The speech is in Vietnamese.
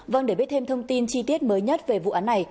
vâng để biết thêm thông tin chi tiết mới nhất về vụ án này